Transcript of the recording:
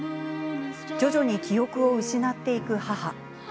徐々に記憶を失っていく母。